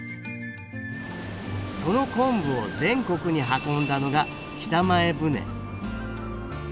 その昆布を全国に運んだのが北前船。